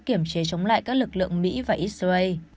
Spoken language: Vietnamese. kiểm chế chống lại các lực lượng mỹ và israel